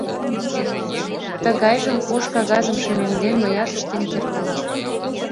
— Тыгайжым, ош кагазым шемемден, мыят ыштен кертам...